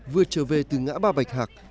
vừa trở về từ ngã ba bạch hạc